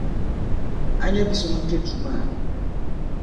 A nya bi so ŋun kpe duu maa?